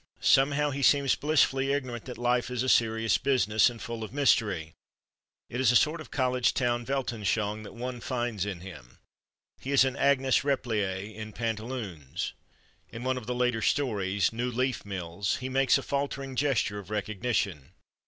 Somehow, he seems blissfully ignorant that life is a serious business, and full of mystery; it is a sort of college town Weltanschauung that one finds in him; he is an Agnes Repplier in pantaloons. In one of the later stories, "New Leaf Mills," he makes a faltering gesture of recognition.